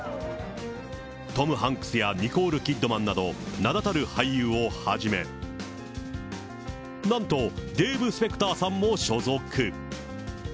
トム・ハンクスやニコール・キッドマンなど、名だたる俳優をはじめ、なんと、デーブ・スペクターさんも所属。